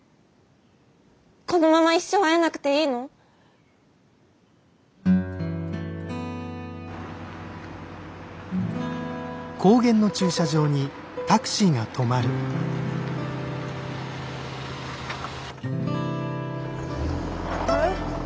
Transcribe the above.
このまま一生会えなくていいの？えっ？